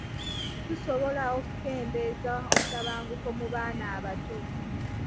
Tusobola okukeendeza obutabanguko mu baana abato?